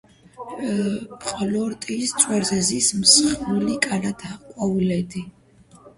ყლორტის წვერზე ზის მსხვილი კალათა ყვავილედი.